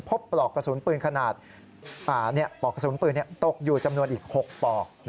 ปลอกกระสุนปืนขนาดปลอกกระสุนปืนตกอยู่จำนวนอีก๖ปลอก